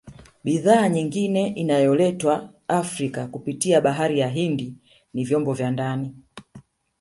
Bidhaa nyingine inayoletwa Afrika kupitia bahari ya Hindi ni vyombo vya ndani